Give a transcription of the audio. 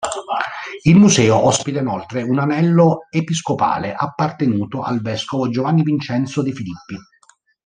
Il museo ospita inoltre un anello episcopale, appartenuto al vescovo Giovanni Vincenzo de Filippi.